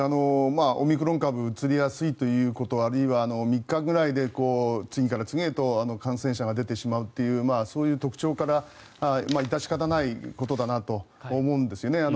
オミクロン株うつりやすいということあるいは３日ぐらいで次から次へと感染者が出てしまうというそういう特徴から致し方ないことだなと思うんですよね。